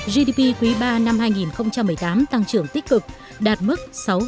gdp quý ba năm hai nghìn một mươi tám tăng trưởng tích cực đạt mức sáu tám mươi tám